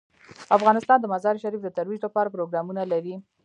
افغانستان د مزارشریف د ترویج لپاره پروګرامونه لري.